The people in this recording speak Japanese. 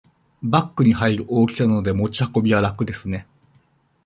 バッグに入る大きさなので持ち運びは楽ですね